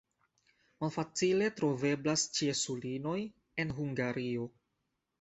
Malfacile troveblas ĉiesulinoj en Hungario.